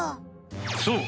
そう。